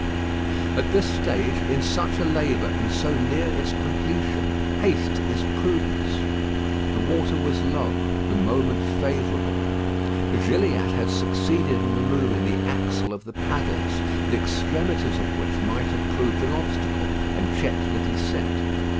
At this stage, in such a labour and so near its completion, haste is prudence. The water was low; the moment favourable. Gilliatt had succeeded in removing the axle of the paddles, the extremities of which might have proved an obstacle and checked the descent.